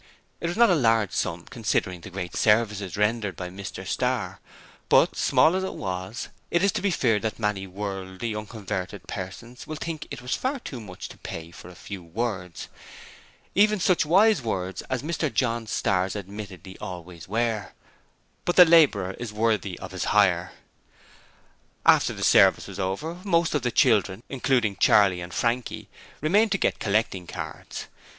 It was not a large sum considering the great services rendered by Mr Starr, but, small as it was, it is to be feared that many worldly, unconverted persons will think it was far too much to pay for a Few Words, even such wise words as Mr John Starr's admittedly always were. But the Labourer is worthy of his hire. After the 'service' was over, most of the children, including Charley and Frankie, remained to get collecting cards.